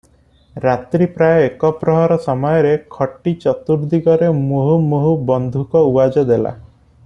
ରାତ୍ରୀ ପ୍ରାୟ ଏକପ୍ରହର ସମୟରେ ଖଟି ଚତୁର୍ଦ୍ଦିଗରେ ମୁହୁର୍ମୁହୁ ବନ୍ଧୁକ ଉଆଜ ଦେଲା ।